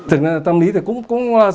thực ra tâm lý thì cũng là